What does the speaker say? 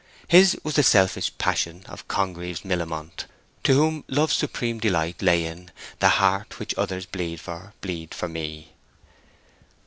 His was the selfish passion of Congreve's Millamont, to whom love's supreme delight lay in "that heart which others bleed for, bleed for me."